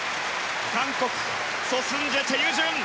韓国ソ・スンジェ、チェ・ユジュン